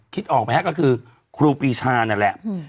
ออกไหมฮะก็คือครูปีชานั่นแหละ